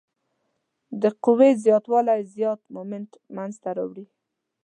د قوې زیات والی زیات مومنټ منځته راوړي.